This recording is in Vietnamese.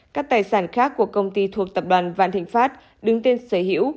các tài sản khác của công ty thuộc tập đoàn vạn thịnh pháp đứng tên sở hữu